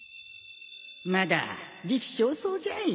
まだ時期尚早じゃい